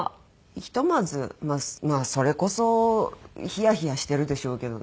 ひとまずまあそれこそヒヤヒヤしてるでしょうけどね。